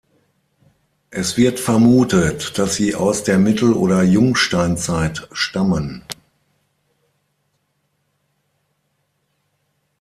Es wird vermutet, dass sie aus der Mittel- oder Jungsteinzeit stammen.